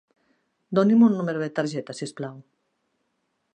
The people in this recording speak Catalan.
Doni'm un número de targeta, si us plau.